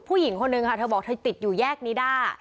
ผู้หญิงคนนึงค่ะเธอบอกเธอติดอยู่แยกนิด้า